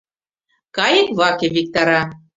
Кайык ваке виктара.